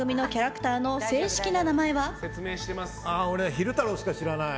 昼太郎しか知らない。